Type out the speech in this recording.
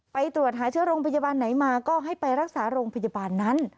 ไปตรวจหาเชื้อโรงพยาบาลไหนมาก็ให้ไปรักษาโรงพยาบาลนั้น